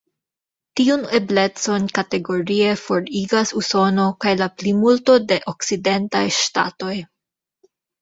Tiun eblecon kategorie forigas Usono kaj la plimulto de okcidentaj ŝtatoj.